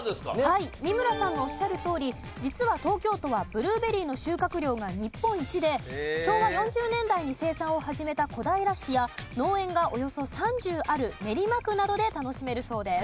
はい三村さんがおっしゃるとおり実は東京都はブルーベリーの収穫量が日本一で昭和４０年代に生産を始めた小平市や農園がおよそ３０ある練馬区などで楽しめるそうです。